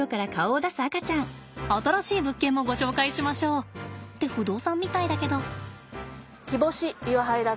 新しい物件もご紹介しましょう。って不動産みたいだけど。